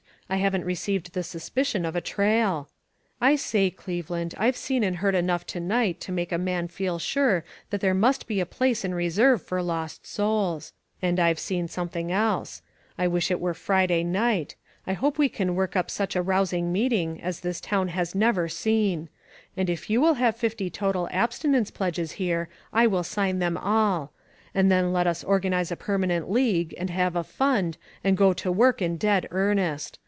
I haven't received the suspicion of a trail. I say, Cleveland, I've seen and heard enough to night to make a man feel sure that there must bd a place in reserve for lost souls. And I've seen THE VIGILANCE COMMITTEE. 49! something else. I wish it were Friday night. I hope we can work up such a rousing meeting as this town has never seen ; and if you will have fifty total absti nence pledges here, I will sign them all. And then let us organize a permanent league, and have a fund, and go to work in dead earnest.